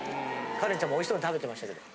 花恋ちゃんもおいしそうに食べてましたけど。